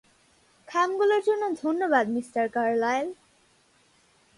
খামগুলোর জন্য ধন্যবাদ, mister Carlyle.